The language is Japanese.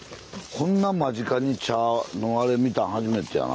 こんな間近に茶のあれ見たん初めてやな。